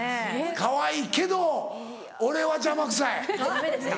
かわいいけど俺は邪魔くさい。